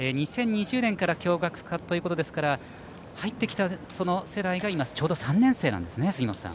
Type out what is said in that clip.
２０２０年から共学化ということですから入ってきた世代が今、ちょうど３年生なんですね、杉本さん。